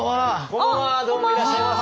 こんばんはどうもいらっしゃいませ。